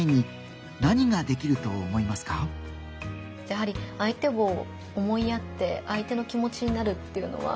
やはり相手を思いやって相手の気持ちになるっていうのは。